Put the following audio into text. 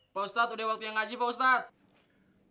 pak ustadz udah waktu yang ngaji pak ustadz